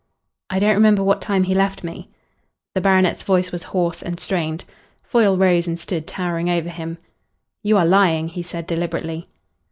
"I don't remember what time he left me." The baronet's voice was hoarse and strained. Foyle rose and stood towering over him. "You are lying," he said deliberately.